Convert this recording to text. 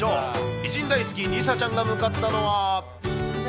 偉人大好き梨紗ちゃんが向かったのは。